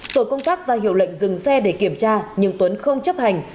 tổ công tác ra hiệu lệnh dừng xe để kiểm tra nhưng tuấn không chấp hành